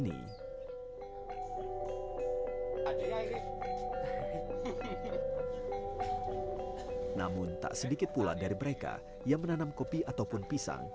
namun tak sedikit pula dari mereka yang menanam kopi ataupun pisang